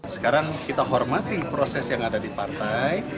sekarang kita hormati proses yang ada di partai